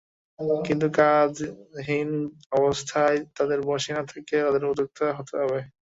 কিন্তু কাজহীন অবস্থায় তাঁদের বসে না থেকে তাঁদের উদ্যোক্তা হতে হবে।